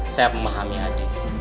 saya memahami adi